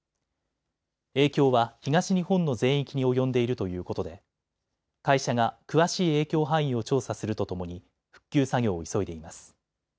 影響は東日本の全域に及んでいるということで会社が詳しい影響範囲を調査するとともに復旧作業を急いでいます。